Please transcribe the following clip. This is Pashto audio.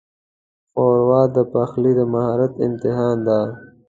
ښوروا د پخلي د مهارت امتحان ده.